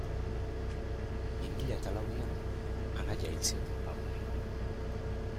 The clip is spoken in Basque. Bi mila eta lauan anaia hil zioten Pablori.